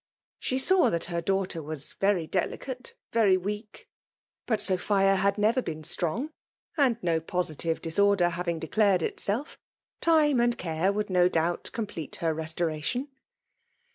She saw that her daughter was *' rery deheate — ^very weak ;" but Sophia had never been strong ; and no positive disorder faaTing declared itself, time and care would no doubt cooaplete har restoration.